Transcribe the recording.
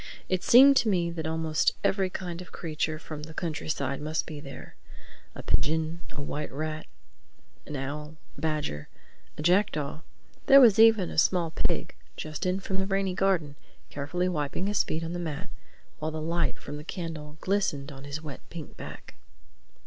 It seemed to me that almost every kind of creature from the countryside must be there: a pigeon, a white rat, an owl, a badger, a jackdaw—there was even a small pig, just in from the rainy garden, carefully wiping his feet on the mat while the light from the candle glistened on his wet pink back.